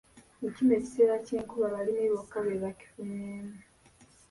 Mu kino ekiseera ky'enkuba balimi bokka be bakifunyemu.